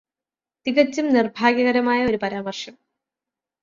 തികച്ചും നിർഭാഗ്യകരമായ ഒരു പരാമർശം.